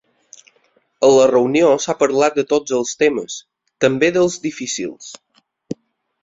A la reunió s’ha parlat de tots els temes, ‘també dels difícils’.